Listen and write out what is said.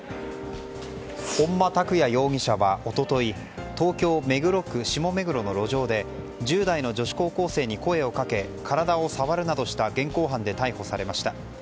本間拓也容疑者は、一昨日東京・目黒区下目黒の路上で１０代の女子高校生に声をかけ体を触るなどした現行犯で逮捕されました。